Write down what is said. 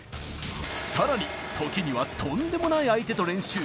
さらに、時にはとんでもない相手と練習。